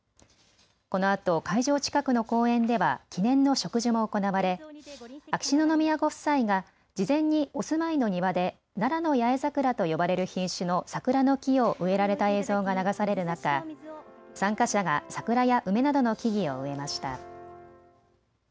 このあと会場近くの公園では記念の植樹も行われ秋篠宮ご夫妻が事前にお住まいの庭でナラノヤエザクラと呼ばれる品種の桜の木を植えられた映像が流される中、参加者が桜や梅などの木々を植えました。